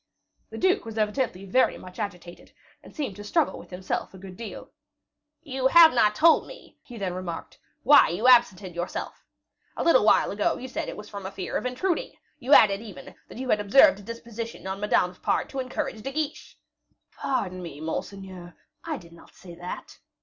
The duke was evidently very much agitated, and seemed to struggle with himself a good deal. "You have not told me," he then remarked, "why you absented yourself. A little while ago you said it was from a fear of intruding; you added, even, that you had observed a disposition on Madame's part to encourage De Guiche." "Pardon me, monseigneur, I did not say that."